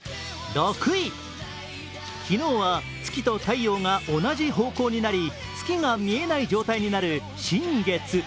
昨日は月と太陽が同じ方向になり月が見えない状態になる新月。